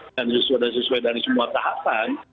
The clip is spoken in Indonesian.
dan sudah sesuai dari semua tahapan